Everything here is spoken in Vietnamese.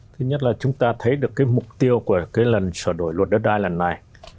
thứ nhất là chúng ta thấy được cái mục tiêu của cái lần sửa đổi luật đất đai lần này